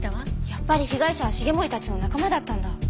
やっぱり被害者は繁森たちの仲間だったんだ。